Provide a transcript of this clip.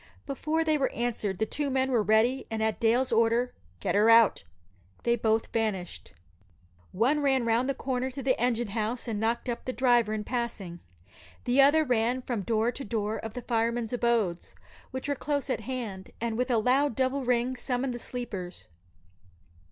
Before they were answered the two men were ready, and at Dale's order, "Get her out!" they both vanished. One ran round the corner to the engine house and "knocked up" the driver in passing. The other ran from door to door of the firemen's abodes, which were close at hand, and with a loud double ring summoned the sleepers.